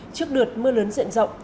trước đợt mưa lớn diện rộng